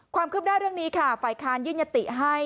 ความคืบหน้าเรื่องนี้ค่ะฝ่ายค้านยื่นยติให้